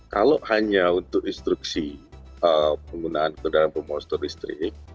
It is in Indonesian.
kalau hanya untuk instruksi penggunaan kendaraan pemosfer listrik